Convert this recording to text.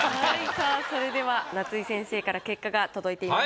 さあそれでは夏井先生から結果が届いています。